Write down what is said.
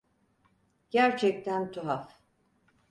Gerçekten tuhaf.